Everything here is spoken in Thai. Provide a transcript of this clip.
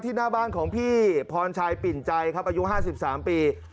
หน้าบ้านของพี่พรชัยปิ่นใจครับอายุ๕๓ปี